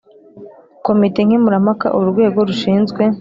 Komite nkemurampaka uru rwego rushinzwe